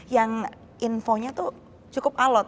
yang infonya tuh cukup alot